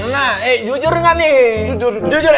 nah jujur nggak nih